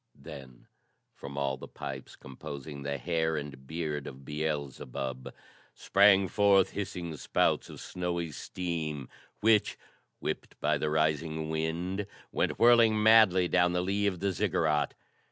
Then, from all the pipes composing the hair and beard of Beelzebub, sprang forth hissing spouts of snowy steam which, whipped by the rising wind, went whirling madly down the lee of the Ziggurat.